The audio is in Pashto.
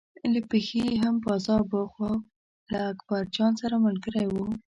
له پښې یې هم پازاب و خو له اکبرجان سره ملګری و.